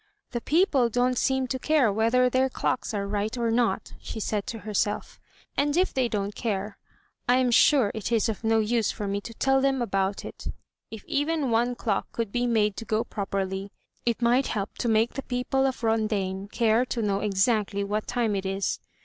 "The people don't seem to care whether their clocks are right or not," she said to herself, "and if they don't care, I am sure it is of no use for me to tell them about it. If even one clock could be made to go properly, it might help to make the people of Rondaine care to know exactly what time it is.